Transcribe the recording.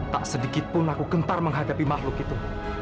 tak sedikitpun aku gentar menghadapi makhluk itu